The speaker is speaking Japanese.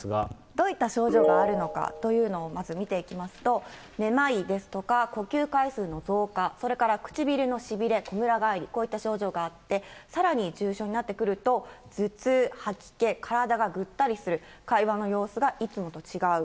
どういった症状があるのかというのをまず見ていきますと、めまいですとか、呼吸回数の増加、それから唇のしびれ、こむら返り、こういった症状があって、さらに重症になってくると、頭痛、吐き気、体がぐったりする、会話の様子がいつもと違う。